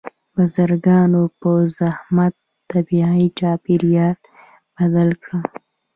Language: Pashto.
بزګرانو په زحمت طبیعي چاپیریال بدل کړ.